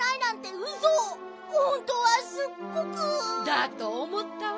だとおもったわ。